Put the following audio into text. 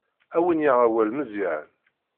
Ad wen-yaɣ awal Meẓyan.